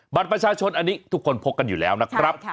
บัตรประชาชนอันนี้ทุกคนพกกันอยู่แล้วนะครับ